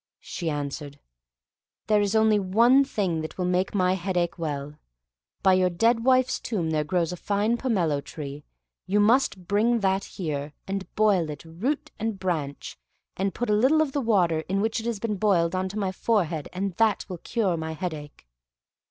She answered, "There is only one thing that will make my headache well. By your dead wife's tomb there grows a fine pomelo tree; you must bring that here, and boil it, root and branch, and put a little of the water in which it has been boiled on my forehead, and that will cure my headache."